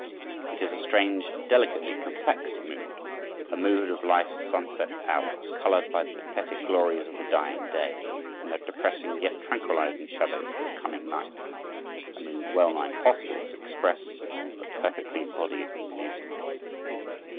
It is a strange, delicately complex mood, a mood of life's sunset hour, colored by the pathetic glories of the dying day, and the depressing, yet tranquilizing shadows of the coming night—a mood well nigh impossible to express, but perfectly embodied in the music.